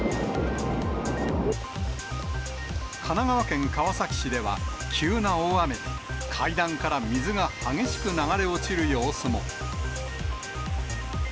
神奈川県川崎市では、急な大雨で、階段から水が激しく流れ落ちる様子も。